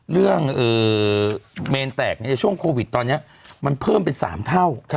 เมนแตกในช่วงโควิดตอนนี้มันเพิ่มเป็น๓เท่า